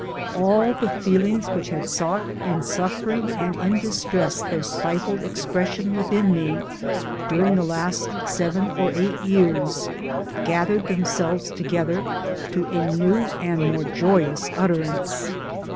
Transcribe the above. All the feelings which had sought, in suffering and in dis tress, their stifled expression within me during the last seven or eight years, gathered themselves together to a new and more joyous utterance.